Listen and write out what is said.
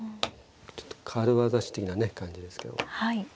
ちょっと軽業師的なね感じですけど。